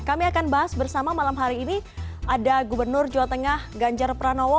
kami akan bahas bersama malam hari ini ada gubernur jawa tengah ganjar pranowo